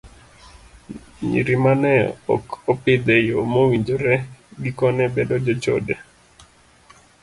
Nyiri ma ne ok opidh e yo mowinjore, gikone bedo jochode.